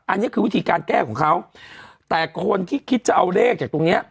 อันนี้คือวิธีการแก้ของเขาแต่คนที่คิดจะเอาเลขจากตรงเนี้ย